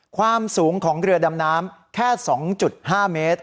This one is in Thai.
ความสูงของเรือดำน้ำแค่๒๕เมตร